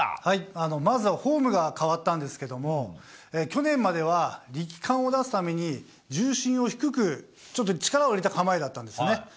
まずはフォームが変わったんですけども、去年までは、力感を出すために、重心を少し低く、ちょっと力を入れた構えだったんですね。